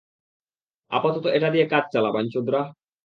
আপাতত এটা দিয়ে কাজ চালা, বাইঞ্চোদরা!